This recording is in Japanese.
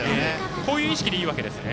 こういう意識でいいわけですね。